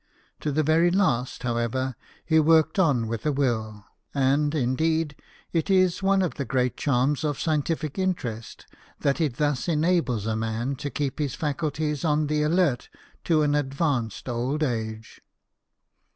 To the very last, however, he worked on with a will ; and, indeed, it is one of the great charms of scientific interest that it thus enables a man to keep his faculties on the alert to an advanced old age.